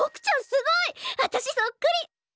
すごい！あたしそっくり！